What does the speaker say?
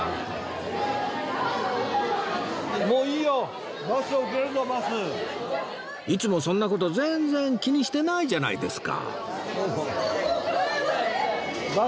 いつもそんな事全然気にしてないじゃないですか